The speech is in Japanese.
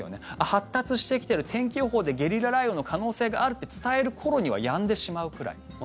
発達してきてる天気予報でゲリラ雷雨の可能性があるって伝える頃にはやんでしまうくらい。